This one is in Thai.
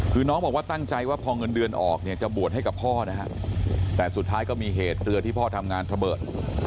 คือน้องบอกว่าตั้งใจว่าพอเงินเดือนออกเนี่ยจะบวชให้กับพ่อนะฮะแต่สุดท้ายก็มีเหตุเรือที่พ่อทำงานระเบิด